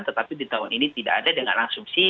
tetapi di tahun ini tidak ada dengan asumsi